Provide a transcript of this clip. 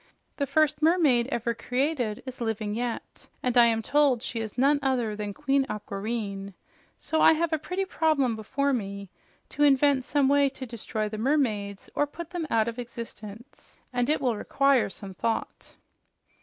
The first mermaid ever created is living yet, and I am told she is none other than Queen Aquareine. So I have a pretty problem before me to invent some way to destroy the mermaids or put them out of existence. And it will require some thought."